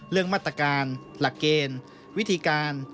เรื่องมาตรการหลักเกณฑ์วิธีการ